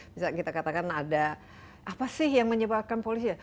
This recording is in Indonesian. bisa kita katakan ada apa sih yang menyebabkan polisi ya